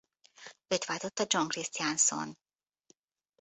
Őt váltotta John Christianson.